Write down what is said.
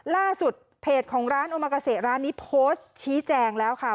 ล่าสุดเพจของร้านโอมากาเซร้านนี้โพสต์ชี้แจงแล้วค่ะ